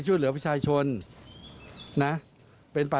ใช่ไหมคนเป็นชายชนอย่างนี้